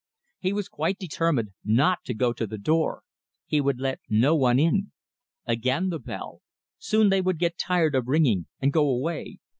He was quite determined not to go to the door. He would let no one in. Again the bell! Soon they would get tired of ringing and go away.